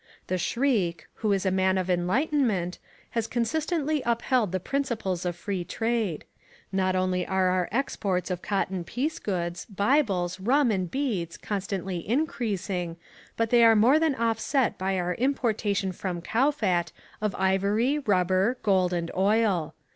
The Shriek, who is a man of enlightenment, has consistently upheld the principles of Free Trade. Not only are our exports of cotton piece goods, bibles, rum, and beads constantly increasing, but they are more than offset by our importation from Kowfat of ivory, rubber, gold, and oil.